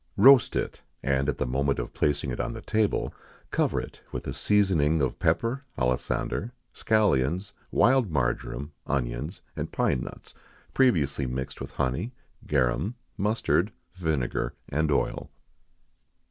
_ Roast it, and at the moment of placing it on the table, cover it with a seasoning of pepper, alisander, scallions, wild marjoram, onions, and pine nuts, previously mixed with honey, garum, mustard, vinegar, and oil.